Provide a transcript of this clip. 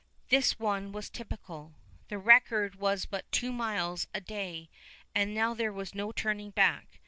This one was typical. The record was but two miles a day; and now there was no turning back.